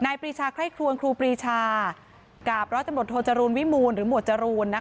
นายปรีชาไข้ครวงครูปรีชากับรอบจำหนดโทรจรูนวิมูลหรือหมวดจรูนนะคะ